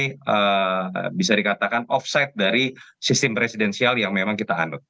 jadi bisa dikatakan off site dari sistem presidensial yang memang kita anut